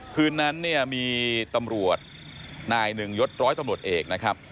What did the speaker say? คืนนั้นเนี่ยมีตำรวจนายหนึ่งยดร้อยตำรวจเอกนะครับ